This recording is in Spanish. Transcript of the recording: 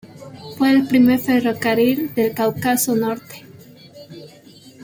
Fue el primer ferrocarril del Cáucaso Norte.